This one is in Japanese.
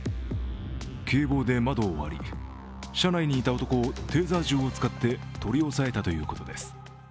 警棒で窓を割り、車内にいた男をテーザー銃を使って取り押さえたということです。